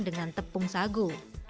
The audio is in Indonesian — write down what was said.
dengan tepung sagu